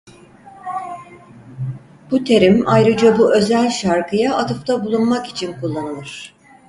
Bu terim ayrıca bu özel şarkıya atıfta bulunmak için kullanılır.